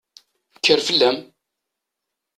Kker fell-am!